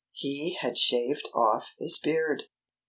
He had shaved off his beard.